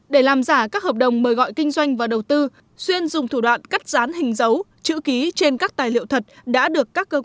để làm giả các hợp đồng mời gọi kinh doanh và đầu tư xuyên dùng thủ đoạn cắt rán hình dấu